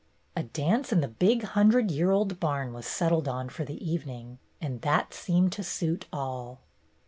A dance in the big hundred year old barn was settled on for the evening, and that seemed to suit all.